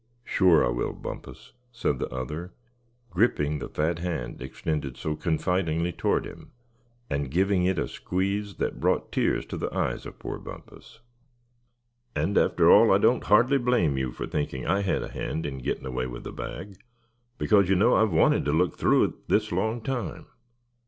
"Sure I will, Bumpus," said the other, gripping the fat hand extended so confidingly toward him, and giving it a squeeze that brought tears to the eyes of poor Bumpus. "And after all, I don't hardly blame you for thinking I had a hand in gettin' away with the bag; because, you know, I've wanted to look through it this long time.